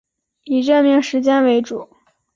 以任命时间为主